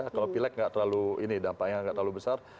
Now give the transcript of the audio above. kalau pilek dampaknya tidak terlalu besar